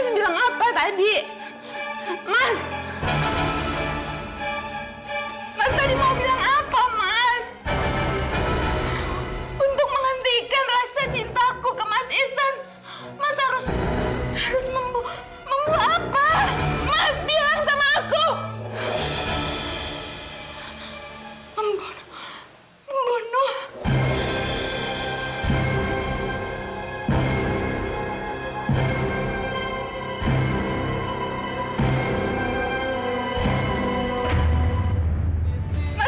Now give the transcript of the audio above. sampai jumpa di video selanjutnya